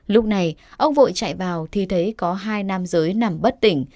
lúc này ông vội chạy vào thì thấy có hai nam giới nằm bất tỉnh